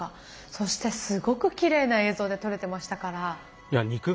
そしてすごくきれいな映像で撮れてましたから。